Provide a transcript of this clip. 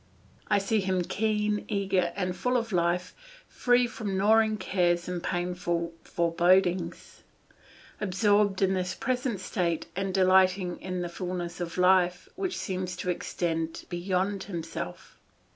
I see him keen, eager, and full of life, free from gnawing cares and painful forebodings, absorbed in this present state, and delighting in a fullness of life which seems to extend beyond himself.